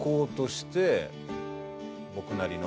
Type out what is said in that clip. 僕なりの。